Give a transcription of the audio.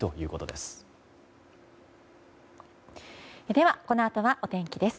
では、このあとはお天気です。